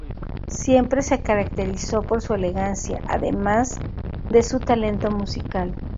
Siempre se caracterizó por su elegancia, además de su talento musical.